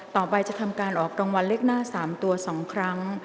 ต่อไปจะทำการออกรางวัลเลขหน้า๓ตัว๒ครั้ง